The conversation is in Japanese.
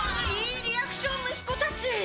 いいリアクション息子たち！